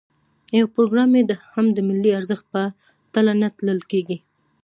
یو پروګرام یې هم د ملي ارزښت په تله نه تلل کېږي.